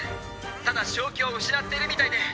ただ正気を失っているみたいで！」